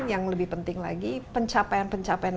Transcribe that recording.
yang lebih penting lagi pencapaian pencapaian